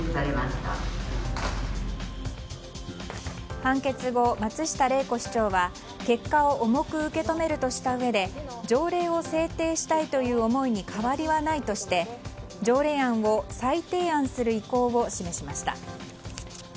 判決後、松下玲子市長は結果を重く受け止めるとしたうえで条例を制定したいという思いに変わりはないとして条例案を再提案する意向を示しました。